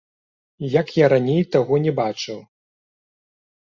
Як я раней таго не бачыў?